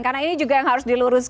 karena ini juga yang harus dilakukan